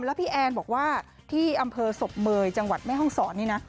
แล้วพี่แอนบอกว่าที่อำเภอศพเมย์จังหวัดแม่ห้องศรนี่นะ